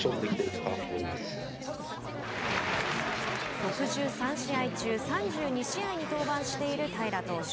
６３試合中、３２試合に登板している平良投手。